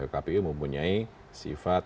kpu mempunyai sifat